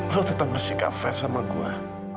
lo tetap bersikap fair sama gue